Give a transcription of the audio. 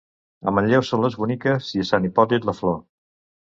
A Manlleu són les boniques i a Sant Hipòlit la flor.